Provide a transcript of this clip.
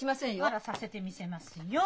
あらさせてみせますよ。